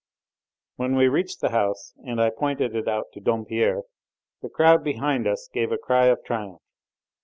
When we reached the house and I pointed it out to Dompierre, the crowd behind us gave a cry of triumph.